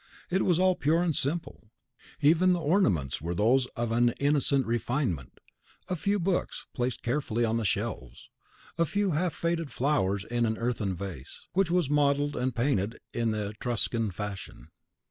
All was pure and simple; even the ornaments were those of an innocent refinement, a few books, placed carefully on shelves, a few half faded flowers in an earthen vase, which was modelled and painted in the Etruscan fashion.